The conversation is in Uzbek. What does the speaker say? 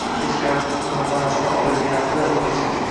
Hech qayoqqa qimirlamasdan oldiginamda o‘tirsang.